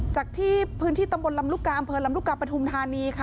จากที่พื้นที่ตำบลลำลูกกาอำเภอลำลูกกาปฐุมธานีค่ะ